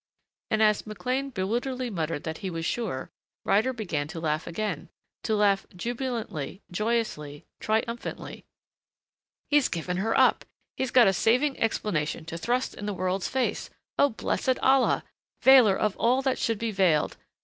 And as McLean bewilderedly muttered that he was sure, Ryder began to laugh again. To laugh jubilantly, joyously, triumphantly. "He's given her up he's got a saving explanation to thrust in the world's face! Oh, blessed Allah, Veiler of all that should be veiled!